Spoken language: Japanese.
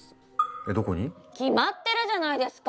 えどこに？決まってるじゃないですか！